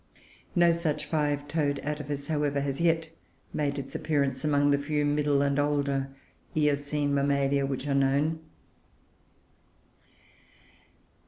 No such five toed "atavus," however, has yet made its appearance among the few middle and older Eocene Mammalia which are known.